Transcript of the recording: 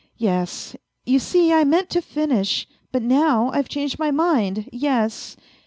Yes ! you see I meant to finish, but now I've changed my mind, yes.